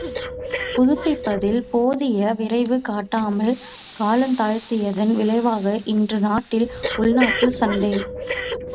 புதுப்பிப்பதில் போதிய விரைவு காட்டாமல் காலந் தாழ்த்தியதன் விளைவாக இன்று நாட்டில் உள்நாட்டுச் சண்டை!